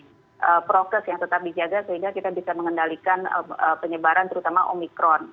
ada prokes yang tetap dijaga sehingga kita bisa mengendalikan penyebaran terutama omikron